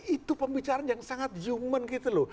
itu pembicaraan yang sangat human gitu loh